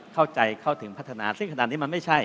เข้าใจเข้าถึงพัฒนาซึ่งขนาดนี้มันไม่ใช่